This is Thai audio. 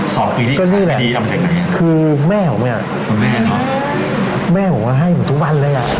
สองปีที่ทำแบบไหนอย่างนี้คือแม่ผมเนี่ยแม่ผมก็ให้เหมือนทุกวันเลยอะ